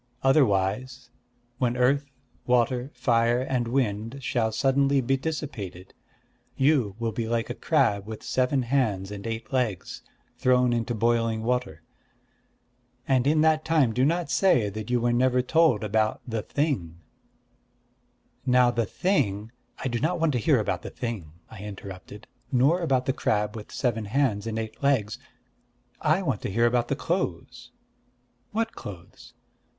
Otherwise, when Earth, Water, Fire, and Wind shall suddenly be dissipated, you will be like a crab with seven hands and eight legs, thrown into boiling water. And in that time do not say that you were never told about the Thing.'... Now the Thing " "I do not want to hear about the Thing," I interrupted, "nor about the crab with seven hands and eight legs. I want to hear about the clothes." "What clothes?"